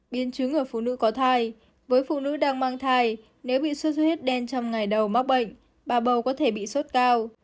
biến chứng ở phụ nữ có thai với phụ nữ đang mang thai nếu bị sốt xuất huyết đen trong ngày đầu mắc bệnh bà bầu có thể bị sốt cao